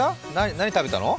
何食べたの？